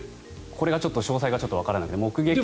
これが詳細がわからなくて。